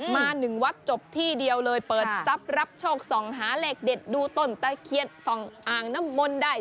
หนึ่งวัดจบที่เดียวเลยเปิดทรัพย์รับโชคส่องหาเลขเด็ดดูต้นตะเคียนส่องอ่างน้ำมนต์ได้